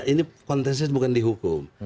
ini kontesnya bukan dihukum